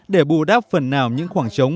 để bù đáp phần nào những khoảng trống